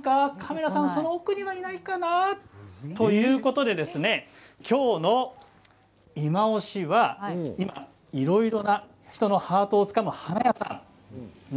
カメラさん、その奥にはいないかな？ということで今日のいまオシはいろいろな人のハートをつかむお花屋さん